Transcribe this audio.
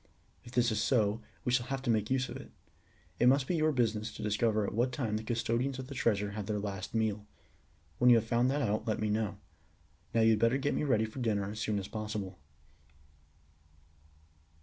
If this is so, we shall have to make use of it. It must be your business to discover at what time the custodians of the treasure have their last meal. When you have found that out let me know. Now you had better get me ready for dinner as soon as possible."